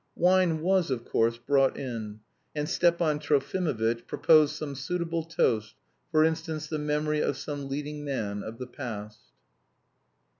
Wine was, of course, brought in, and Stepan Trofimovitch proposed some suitable toast, for instance the memory of some leading man of the past.